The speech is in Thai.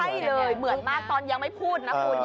ใช่เลยเหมือนมากตอนยังไม่พูดนะคุณ